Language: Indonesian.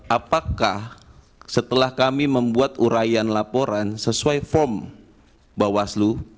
apakah setelah kami membuat urayan laporan sesuai form bawaslu